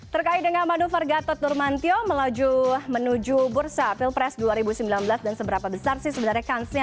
terkait dengan manuver gatot nurmantio menuju bursa pilpres dua ribu sembilan belas dan seberapa besar sih sebenarnya kansnya